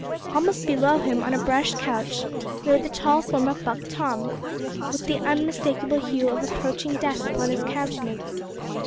Almost below him on a brush couch, lay the tall form of Buck Tom, with the unmistakable hue of approaching death upon his countenance.